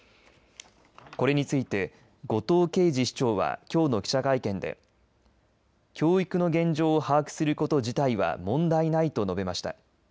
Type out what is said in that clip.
これについて後藤圭二市長はきょうの記者会見で教育の現状を把握すること自体は問題ないと述べました。